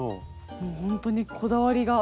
もうほんとにこだわりが。